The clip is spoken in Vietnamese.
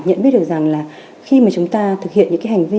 nhận biết được rằng là khi mà chúng ta thực hiện những cái hành vi